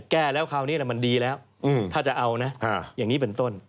แก้แล้วคราวนี้มันดีแล้วถ้าจะเอานะอย่างนี้เป็นต้น